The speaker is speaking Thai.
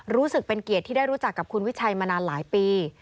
รู้สึกเป็นเกียรติที่ได้รู้จักกับคุณวิชัยมานานหลายปี